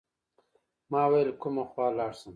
ما ویل کومه خوا لاړ شم.